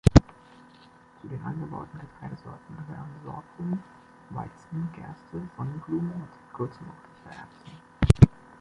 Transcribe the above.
Zu den angebauten Getreidesorten gehören Sorghum, Weizen, Gerste, Sonnenblumen und seit kurzem auch Kichererbsen.